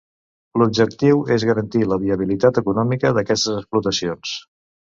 L'objectiu és garantir la viabilitat econòmica d'aquestes explotacions.